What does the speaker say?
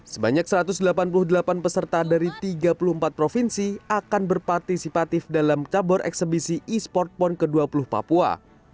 sebanyak satu ratus delapan puluh delapan peserta dari tiga puluh empat provinsi akan berpartisipatif dalam cabur eksebisi e sport pon ke dua puluh papua